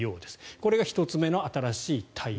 これが１つ目の新しい対応。